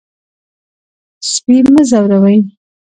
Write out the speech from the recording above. سپي مه ځوروئ.